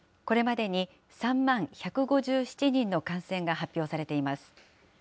これまでに３万１５７人の感染が発表されています。